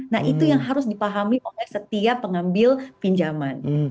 nah itu yang harus dipahami oleh setiap pengambil pinjaman